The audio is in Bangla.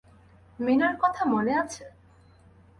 মিনার কথা মনে আছে?